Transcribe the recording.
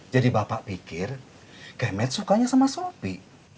jadi bapak pikir kayak matt sukanya sama sopi